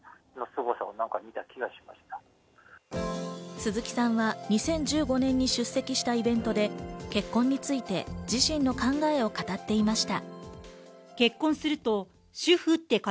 鈴木さんは、２０１５年に出席したイベントで結婚について自身の考えを語っていました。